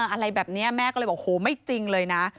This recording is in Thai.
อะไรแบบนี้แม่ก็เลยบอกโหไม่จริงเลยนะ